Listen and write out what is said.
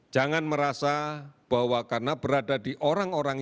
jangan merasa bahwa karena berada di orang orang